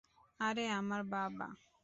আরে, আমার বাবা।